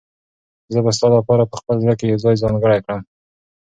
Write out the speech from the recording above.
زه به ستا لپاره په خپل زړه کې یو ځای ځانګړی کړم.